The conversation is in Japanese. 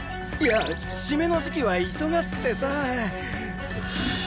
いや締めの時期は忙しくてさ。